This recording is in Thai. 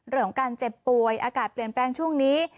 เรื่องของการเจ็บป่วยอากาศเปลี่ยนแปลงช่วงนี้